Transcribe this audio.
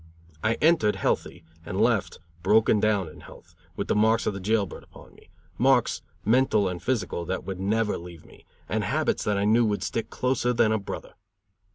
I entered healthy, and left broken down in health, with the marks of the jail bird upon me; marks, mental and physical, that would never leave me, and habits that I knew would stick closer than a brother.